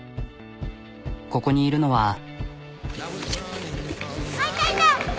ここにいるのは。